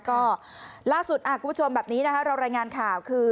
ก็ล่าสุดคุณผู้ชมแบบนี้นะคะเรารายงานข่าวคือ